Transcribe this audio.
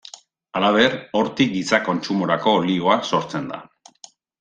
Halaber, hortik giza kontsumorako olioa sortzen da.